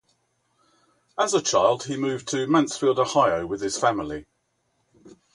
As a child he moved to Mansfield, Ohio with his family.